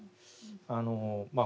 あのまあ